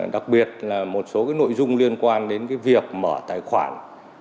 đặc biệt là một số nội dung liên quan đến việc mở tài khoản